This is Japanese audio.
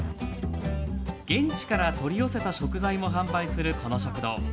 現地から取り寄せた食材も販売する、この食堂。